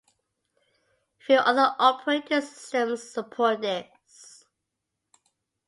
Few other operating systems support this.